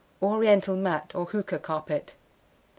Oriental Mat, or Hookah Carpet.